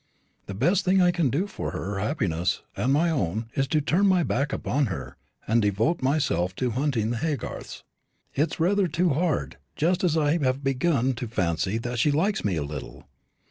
The best thing I can do for her happiness and my own is to turn my back upon her, and devote myself to hunting the Haygarths. It's rather hard too, just as I have begun to fancy that she likes me a little."